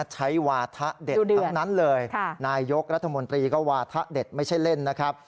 ใช้วาธะเด็ดทั้งนั้นเลยนายกรัฐมนตรีก็วาทะเด็ดไม่ใช่เล่นนะครับ